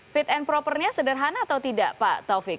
fit and propernya sederhana atau tidak pak taufik